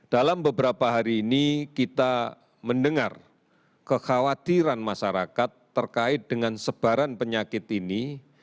dalam beberapa hari ini kita mendengar kekhawatiran masyarakat terkait dengan sebaran penyakit ini